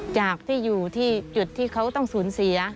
จากที่อยู่ที่จุดที่เขาต้องสูญเสีย